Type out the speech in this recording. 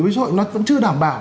đối với xã hội nó vẫn chưa đảm bảo